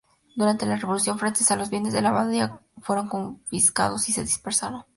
Durante la Revolución francesa los bienes de la abadía fueron confiscados y se dispersaron.